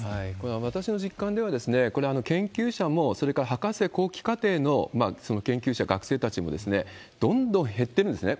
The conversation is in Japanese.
私の実感では、これ、研究者もそれから博士後期課程の研究者、学生たちもどんどん減ってるんですね。